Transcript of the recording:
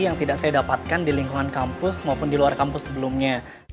yang tidak saya dapatkan di lingkungan kampus maupun di luar kampus sebelumnya